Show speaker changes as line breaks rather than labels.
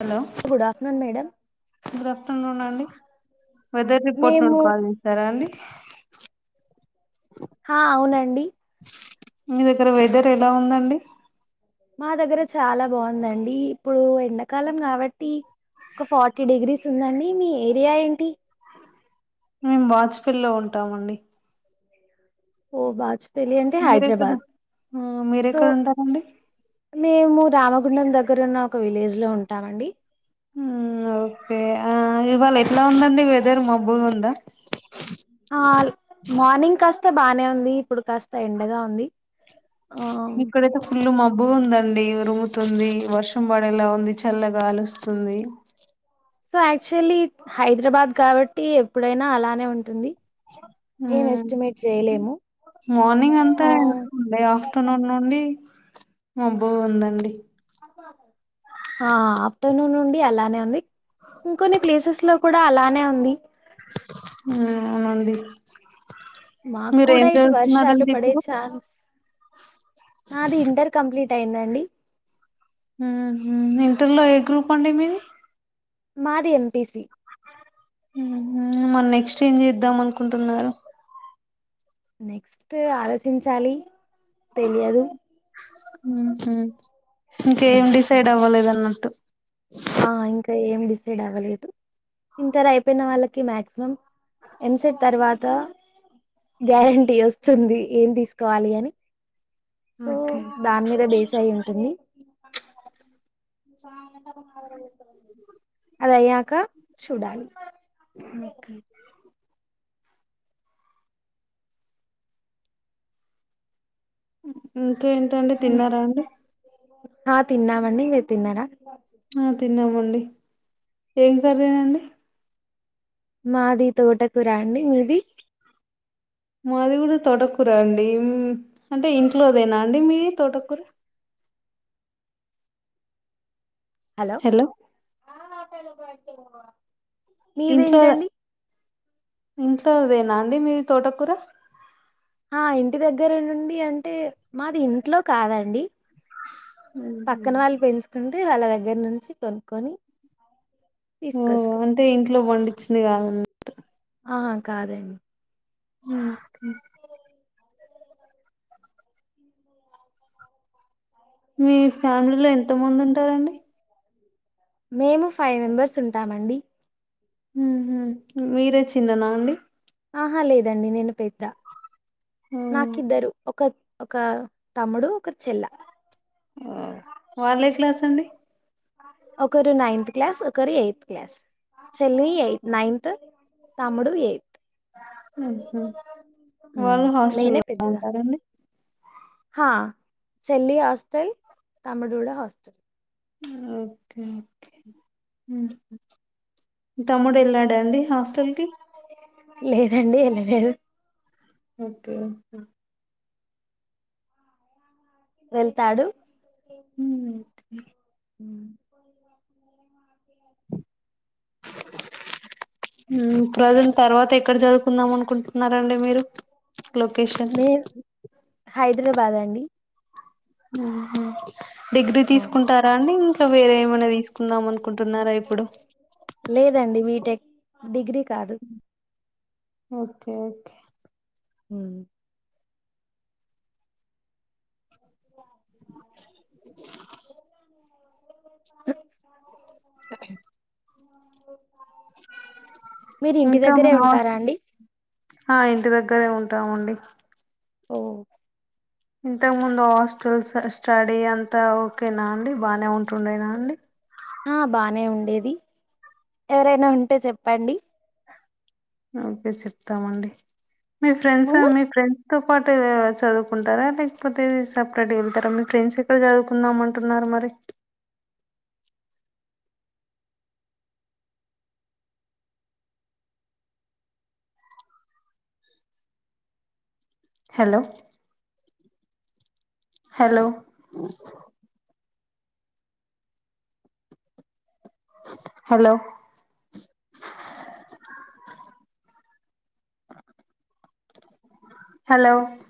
Hello
good afternoon madam
good afternoon అండి weather report
మేము
నుండి కాల్ చేశారా అండి
ఆ అవునండి
మీ దగ్గర వెదర్ ఎలా ఉందండి
మా దగ్గర చాలా బాగుందండి. ఇప్పుడు ఎండాకాలం కాబట్టి ఒక ఫార్టీ డిగ్రీస్ ఉందండి. మీ ఏరియా ఏంటి
మేము వాజపేల్ లో ఉంటామండి
ఓ వాచ్ పెళ్ళి అంటే
మీరెక్కడ
హైదరాబాద్
ఆ
సో
మీరెక్కడ ఉంటారండి
మేము రామగుండం దగ్గర ఉన్న ఒక విలేజ్ లో ఉంటామండి.
ఓకే ఆ ఇవాళ ఎట్లా ఉందండి. వెదర్ మబ్బుగ ఉందా
ఆ మార్నింగ్ కాస్త బానే ఉంది. ఇప్పుడు కాస్త ఎండగా ఉంది. ఆ
ఇక్కడయితే ఫుల్లు మబ్బు ఉంద డి ఉరుముతుంది వర్షం పడేలా ఉంది చల్లగాలుస్తుంది
సో యాక్చువల్లీ హైదరాబాద్ కాబట్టి ఎప్పుడైనా అలానే ఉంటుంది. ఏం
మ్
ఎస్టిమేట్ చేయలేము.
మార్నింగ్ అంతా
ఆ
డే ఆఫ్టర్నూన్ నుండి మబ్బుగ ఉందండి.
ఆ ఆఫ్టర్నూన్ నుండి అలానే ఉంది ఇంకొన్ని ప్లేసెస్ లో కూడా అలానే ఉంది
ఊ అవునండి
మాకు
మీరు
కూడా
ఏం
ఇటు వర్షాలు
చదుతున్నారండి
పడే
ఇప్పుడు
ఛాన్స్ నాది ఇంటర్ కంప్లీట్ అయిందండి.
ఉహు ఇంటర్లో ఏ గ్రూప్ అండి మీది
మాది ఎంపిసి
ఉహు మల్ నెక్స్ట్ ఏం చేద్దాం అనుకుంటున్నారు.
నెక్స్ట్ ఆలోచించాలి తెలియదు
ఊహు ఇంకేం డిసైడ్ అవ్వలేదం న్నట్టు
ఆ ఇంకా ఏమి డిసైడ్ అవ్వలేదు ఇంటర్ అయిపోయిన వాళ్ళకి మాక్సిమం ఎంసెట్ తర్వా తా గ్యారంటీ వస్తుంది ఏం తీసుకోవాలి అని సో
ఓకే
దాని మీదే బేస్ అయి ఉంటుంది అది అయ్యాక చూడాలి
ఓకే ఇంకేంటండి తిన్నారా అండి
ఆ తిన్నామండి మీరు తిన్నారా
ఆ తిన్నామండి ఏం కర్రీ అండి
మాది తోటకూర అండి మీది
మాది గుడా తోటకూరే అండి అంటే ఇంట్లోదేనా అండి మీది తోటకూర హలో ఇంట్లో
మీదేంటండి
ఇంట్లోదేనా అండి మీది తోటకూర
ఆ ఇంటి దగ్గర నుండి అంటే మాది ఇంట్లో కాదండి
ఉహు
పక్కన వాళ్ళు పెంచుకుంటే వాళ్ళ దగ్గర నుంచి కొనుక్కొని
ఓ
తీసుకొచ్చుకున్నాం
అంటే ఇంట్లో బండిచ్చింది కాదన్నట్టు
అహా కాదండి
అ మీ ఫ్యామిలీలో ఎంత మంది ఉంటారండి
మేము ఫైవ్ మెంబెర్స్ ఉంటామండి
ఊహు మీరే చిన్ననా అండి
ఆహా లేదండి నేను పెద్ద నాకిద్దరు ఒక ఒక తమ్ముడు ఒక చెల్ల
ఓ వాళ్ళే క్లాస్ అండి
ఒకరు నైన్త్ క్లాస్ ఒకరు ఎయిత్ క్లాస్ చెళ్ళి ఎయి నైన్త్ తమ్ముడు ఏ
ఉహు వాళ్ళు
నేనే
హాస్టల్లో
పెద్దదాన్ని
ఉంటారండి
హా చెెల్లి హాస్టల్ తమ్ముడు గూడా హాస్టల్
ఓకే ఓకే ఉమ్ మీ తమ్ముడు ఎళ్ళాడా అండి హాస్టల్ కి
లేదండి ఎళ్ళలేరు
ఓకే ఓకే
వెళ్తాడు
ఉమ్ నైటుకి
ఉమ్
ఉ ప్రజెంట్ తర్వాత ఎక్కడ జదువుకుందాం అనుకుంటున్నారండి మీరు లోకేషన్
నేను హైదరాబాద్ అండి
ఊహు డిగ్రీ
ఆ
తీసుకుంటారా అండి ఇంకా వేరే ఏమైనా తీసుకుందాం అనుకుంటున్నారా ఇప్పుడు
లేదండి బీటెక్ డిగ్రీ కాదు
ఒకే ఓకే
ఉమ్ మీరి ఇంటి
ఇంకా మా
దగ్గరే
హాస్
ఉంటారా అండి
ఆ ఇంటి దగ్గరే ఉంటాముండి.
ఓ
ఇంతకు ముందు ఓస్టల్స్ స్టడీ అంతా ఓకేనా అండి, బానే ఉంటుండేనా అండి.
ఆ బానే ఉండేది, ఎవరైనా ఉంటే చెప్పండి.
ఓకే చెప్తామండి. మీ ఫ్రెండ్ సా, మీ ఫ్రెండ్. తో పాటే చదువుకుంటారా, లేకపోతే సప్రరేటుగా ఏళ్తారా. మీ ఫ్రెండ్స్ ఎక్కడ చదువుకుందాం అంటున్నారు. మరి
అ
హలో హలో హలో హలో